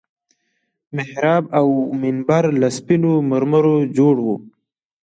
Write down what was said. محراب او منبر له سپينو مرمرو جوړ وو.